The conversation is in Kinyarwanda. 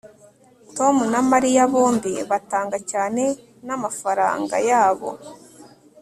tom na mariya bombi batanga cyane namafaranga yabo